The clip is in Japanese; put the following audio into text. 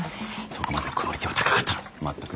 そこまでのクオリティーは高かったのにまったく台なしだ